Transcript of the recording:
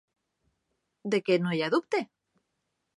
De què no hi ha dubte?